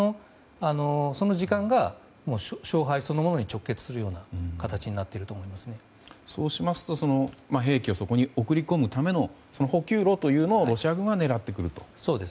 その時間が勝敗そのものに直結するそうしますと兵器をそこに送り込むための補給路をロシア軍が狙ってくると。